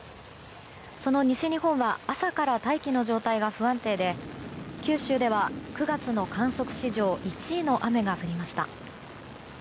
その西日本は朝から大気の状態が不安定で九州では９月の観測史上１位の雨が降りました。